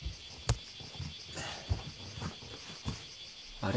あれ？